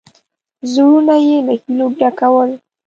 زړونه یې له هیلو ډکول.